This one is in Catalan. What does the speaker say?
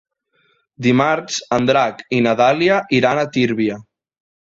Dimarts en Drac i na Dàlia iran a Tírvia.